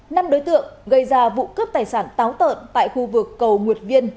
năm đối tượng gây ra vụ cướp tài sản táo tợn tại khu vực cầu nguyệt viên